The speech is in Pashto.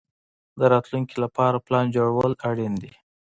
د راتلونکي لپاره پلان جوړول اړین دي.